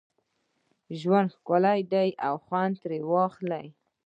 ژوند ښکلی دی او خوند ترې واخله